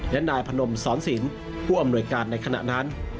และนายพนมสอนศิลป์ผู้อำนวยการในขณะนั้น